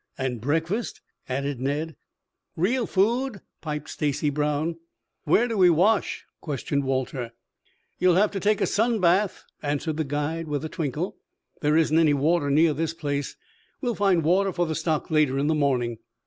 "And breakfast?" added Ned. "Real food?" piped Stacy Brown. "Where do we wash?" questioned Walter. "You will have to take a sun bath," answered the guide with a twinkle. "There isn't any water near this place. We will find water for the stock later in the morning."